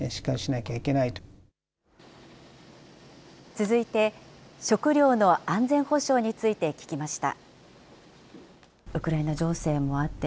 続いて、食料の安全保障について聞きました。